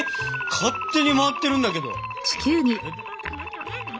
勝手に回ってるんだけど！